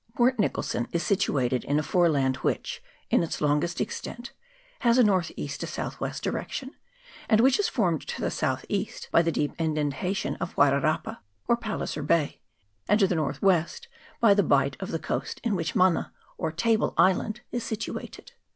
Port Nicholson is situated in a foreland which, in its longest extent, has a north east to south west direction, and which is formed to the south east by the deep indentation of Wairarapa, or Palliser Bay, and to the north west by the bight of the coast in which Mana, or Table Island, is situated.